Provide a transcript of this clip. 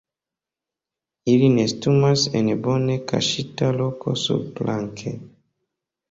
Ili nestumas en bone kaŝita loko surplanke.